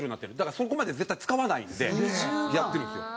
そこまで絶対使わないのでやってるんですよ。